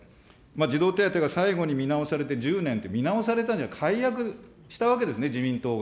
児童手当が最後に見直されて１０年って、見直されたんじゃなくて、改悪したわけですね、自民党が。